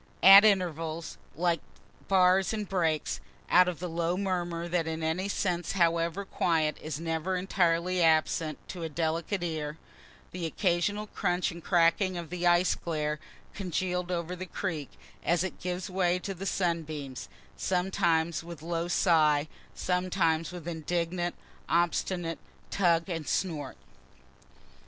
At intervals, like bars and breaks (out of the low murmur that in any scene, however quiet, is never entirely absent to a delicate ear,) the occasional crunch and cracking of the ice glare congeal'd over the creek, as it gives way to the sunbeams sometimes with low sigh sometimes with indignant, obstinate tug and snort.